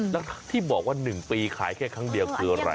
แล้วที่บอกว่า๑ปีขายแค่ครั้งเดียวคืออะไร